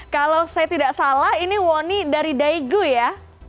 kalau saya tidak salah ini wonny dari daegu ya